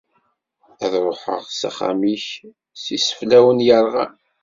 Ad ruḥeɣ s axxam-ik s yiseflawen yerɣan.